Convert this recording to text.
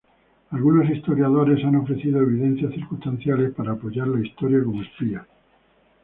Algunos historiadores han ofrecido evidencias circunstanciales para apoyar la historia como espía.